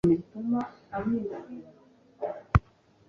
twafashaga abacakara kumenyera ubuzima bubi cyane